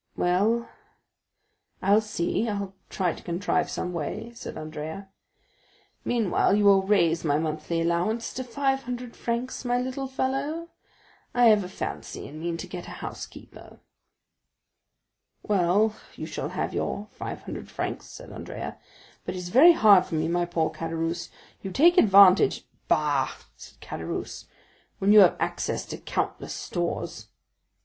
"Well, I'll see—I'll try to contrive some way," said Andrea. "Meanwhile you will raise my monthly allowance to five hundred francs, my little fellow? I have a fancy, and mean to get a housekeeper." "Well, you shall have your five hundred francs," said Andrea; "but it is very hard for me, my poor Caderousse—you take advantage——" "Bah," said Caderousse, "when you have access to countless stores."